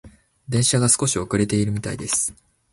電車が少し遅れているみたいです。